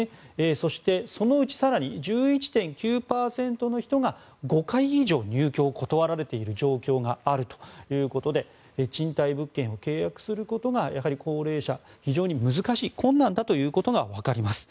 そして、そのうち更に１１．９％の人が５回以上、入居を断られている状況があるということで賃貸物件を契約することが高齢者は非常に難しい困難だということが分かります。